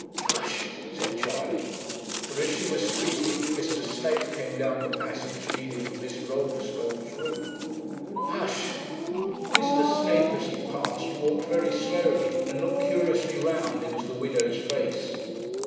'Hush!' said Charley; for, as she was speaking, Mr. Snape came down the passage leading from Mr. Oldeschole's room. 'Hush!' Mr. Snape as he passed walked very slowly, and looked curiously round into the widow's face.